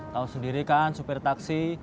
tahu sendiri kan supir taksi